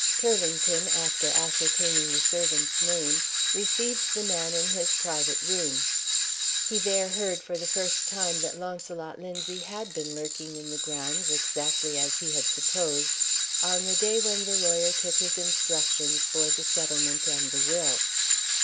Turlington (after ascertaining the servant's name) received the man in his private room. He there heard, for the first time, that Launcelot Linzie had been lurking in the grounds (exactly as he had supposed) on the day when the lawyer took his instructions for the Settlement and the Will.